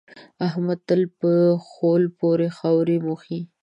احمد تل په خول پورې خاورې موښي.